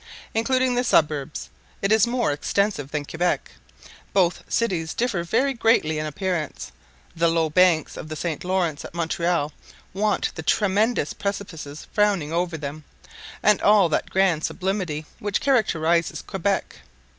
Including the suburbs, it is more extensive than Quebec. Both cities differ very greatly in appearance; the low banks of the St. Laurence at Montreal want the tremendous precipices frowning over them, and all that grand sublimity which characterizes Quebec.